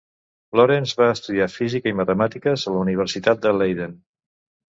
Lorentz va estudiar física i matemàtiques a la Universitat de Leiden.